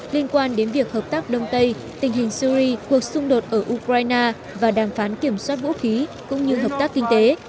liên quan đến việc hợp tác đông tây tình hình syri cuộc xung đột ở ukraine và đàm phán kiểm soát vũ khí cũng như hợp tác kinh tế